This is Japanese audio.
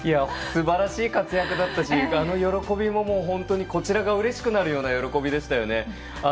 すばらしい活躍だったしあの喜びも、本当にこちらがうれしくなるような喜び方でしたね。